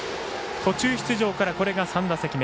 途中出場からこれが３打席目。